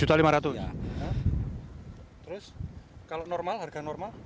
terus kalau normal harga normal